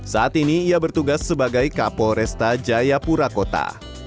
saat ini ia bertugas sebagai kapol resta jayapura kota